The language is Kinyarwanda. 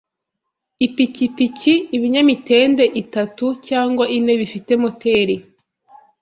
ipikipiki ibinyamitende itatu cyangwa ine bifite moteri